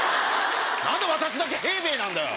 何で私だけ平米なんだよ。